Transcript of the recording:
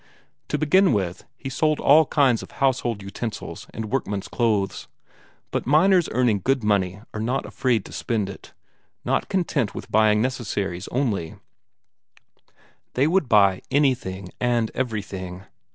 To begin with, he sold all kinds of household utensils and workmen's clothes; but miners earning good money are not afraid to spend it; not content with buying necessaries only; they would buy anything and everything.